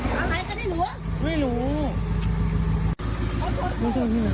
ไม่รู้